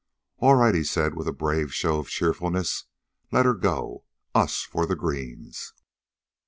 "All right," he said, with a brave show of cheerfulness. "Let her go. Us for the greens."